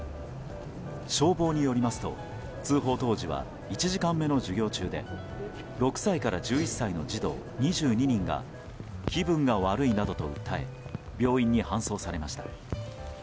消防によりますと通報当時は１時間目の授業中で６歳から１１歳の児童２２人が気分が悪いなどと訴え病院に搬送されました。